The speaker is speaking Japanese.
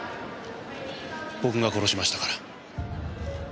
僕が殺しましたから。